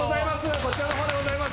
こちらの方でございます。